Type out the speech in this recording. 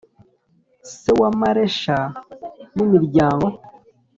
se wa Maresha n imiryango